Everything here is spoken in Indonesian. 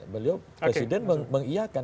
beliau presiden mengiakan